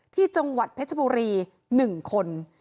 ที่จังหวัดเพชรบุรี๑คน